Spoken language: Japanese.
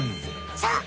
さあ